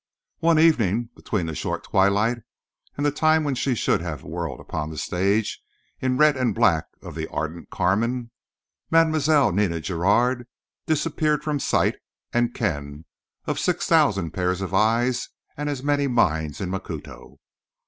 One evening between the short twilight and the time when she should have whirled upon the stage in the red and black of the ardent Carmen, Mlle. Nina Giraud disappeared from the sight and ken of 6,000 pairs of eyes and as many minds in Macuto.